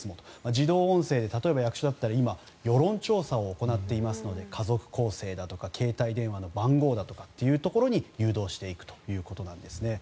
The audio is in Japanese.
自動音声だったら例えば役所だったら今、世論調査を行っていますので家族構成だとか携帯電話の番号だとかというところに誘導していくということです。